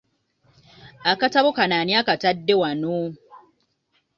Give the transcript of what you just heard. Akatabo kano ani akatadde wano?